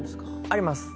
あります。